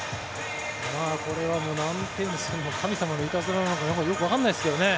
これはなんといいますか神様のいたずらなのかよくわからないですけどね。